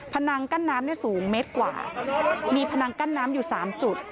นังกั้นน้ำเนี่ยสูงเมตรกว่ามีพนังกั้นน้ำอยู่๓จุด